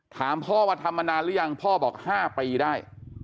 ถามพ่อว่าทำมานานหรือยังพ่อบอก๕ปีได้